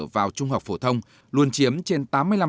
vào trung học phổ thông luôn chiếm trên tám mươi năm